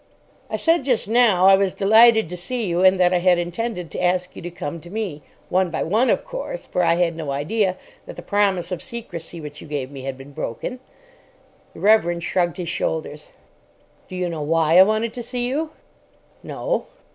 "I said just now I was delighted to see you, and that I had intended to ask you to come to me. One by one, of course; for I had no idea that the promise of secrecy which you gave me had been broken." The Reverend shrugged his shoulders. "Do you know why I wanted to see you?" "No."